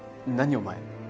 お前